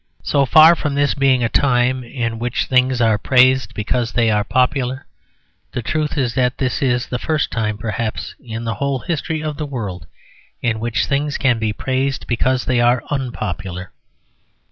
So far from this being a time in which things are praised because they are popular, the truth is that this is the first time, perhaps, in the whole history of the world in which things can be praised because they are unpopular.